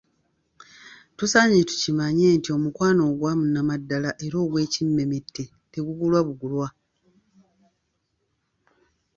Tusaanye tukimanye nti Omukwano ogwannamaddala era ogw'ekimmemmette tegugulwa bugulwa.